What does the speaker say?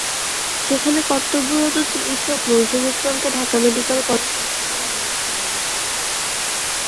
সেখানে কর্তব্যরত চিকিৎসক নজরুল ইসলামকে ঢাকা মেডিকেল কলেজ হাসপাতাল নেওয়ার পরামর্শ দেন।